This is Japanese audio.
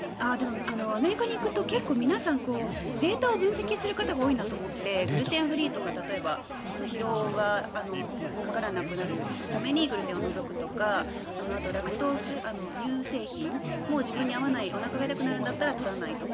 アメリカに行くと結構皆さんデータを分析する方が多いなと思ってグルテンフリーとか疲労がたまらなくなるためにグルテンを除くとかあとラクトース、乳製品も自分に合わないおなかが痛くなるんだったら取らないとか。